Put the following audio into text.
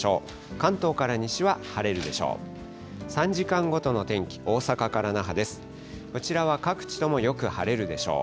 関東から西は晴れるでしょう。